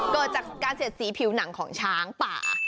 เกิดจากการเสียดสีผิวหนังของช้างป่า